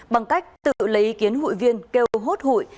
bằng cách tự lấy ý kiến hụi viên kêu hốt hụi